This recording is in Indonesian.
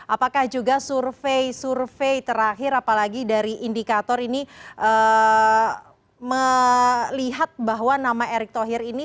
apakah juga survei survei terakhir apalagi dari indikator ini melihat bahwa nama erick thohir ini